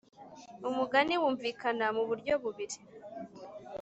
umugani wumvikana mu buryo bubiri.